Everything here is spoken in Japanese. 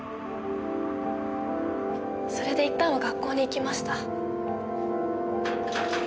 それでいったんは学校に行きました。